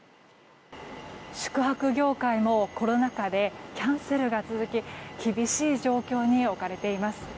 宿泊業界もコロナ禍でキャンセルが続き厳しい状況に置かれています。